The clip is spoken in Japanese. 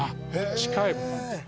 近いもん。